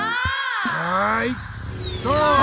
はいストーップ！